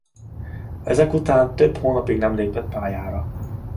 Ezek után több hónapig nem lépett pályára.